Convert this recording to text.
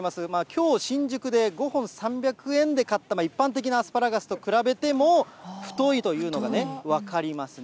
きょう新宿で５本３００円で買った一般的なアスパラガスと比べても、太いというのがね、分かりますね。